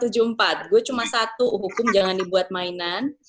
gue cuma satu hukum jangan dibuat mainan